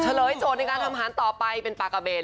เฉยโจทย์ในการทำอาหารต่อไปเป็นปากาเบน